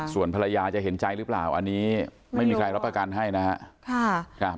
ส่วนภรรยาจะเห็นใจหรือเปล่าอันนี้ไม่มีใครรับประกันให้นะครับ